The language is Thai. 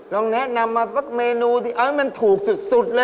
เราแนะนำมาเมนูที่มันถูกสุดเลย